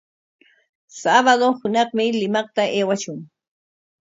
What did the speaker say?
Sabado hunaqmi Limaqta aywashun.